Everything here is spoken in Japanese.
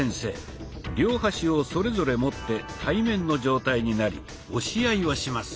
両端をそれぞれ持って対面の状態になり押し合いをします。